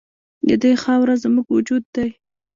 د دې خاوره زموږ وجود دی؟